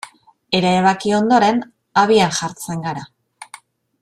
Erabaki ondoren, abian jartzen gara.